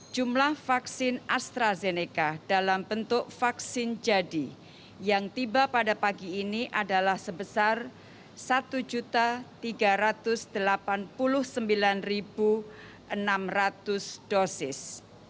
jumlah vaksin astrazeneca dalam bentuk vaksin jadi yang tiba pada pagi ini adalah sebesar satu tiga ratus delapan puluh sembilan enam ratus dosis